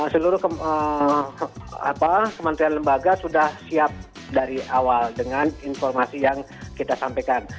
seluruh kementerian lembaga sudah siap dari awal dengan informasi yang kita sampaikan